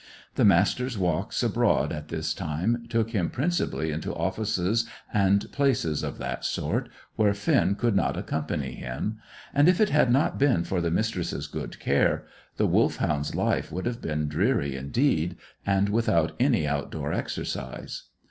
The Master's walks abroad at this time took him principally into offices and places of that sort, where Finn could not accompany him, and, if it had not been for the Mistress's good care, the Wolfhound's life would have been dreary indeed, and without any outdoor exercise.